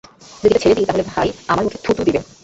যদি এটা ছেড়ে দেই, তাহলে ভাই আমার মুখে থুতু দিবে।